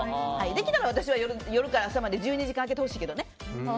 できれば私は夜から朝まで１２時間空けてほしいけどね。